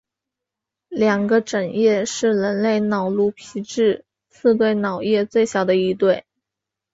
两个枕叶是人类脑颅皮质四对脑叶最小的一对。